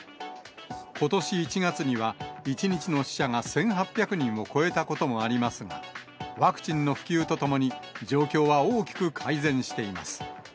ことし１月には、１日の死者が１８００人を超えたこともありますが、ワクチンの普及とともに、状況は大きく改善しています。